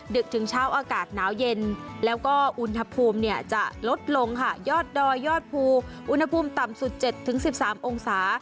ดึกถึงเช้าอากาศหนาวเย็นแล้วก็อุณหภูมิเนี่ยจะลดลงค่ะยอดดอยยอดภูอุณหภูมิต่ำสุด๗๑๓องศา